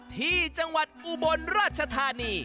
ที่จังหวัดอุบลราชธานี